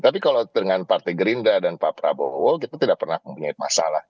tapi kalau dengan partai gerindra dan pak prabowo kita tidak pernah mempunyai masalah